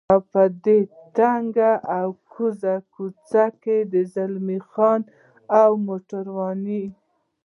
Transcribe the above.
په دې تنګه او کږه کوڅه کې د زلمی خان او موټرونه.